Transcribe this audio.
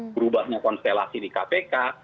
berubahnya konstelasi di kpk